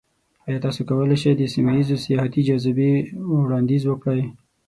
ایا تاسو کولی شئ د سیمه ایزو سیاحتي جاذبې وړاندیز وکړئ؟